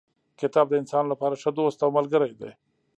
کتاب د انسان لپاره ښه دوست او ملګری دی.